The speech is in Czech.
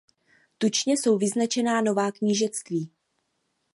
Tučně jsou vyznačena nová knížectví.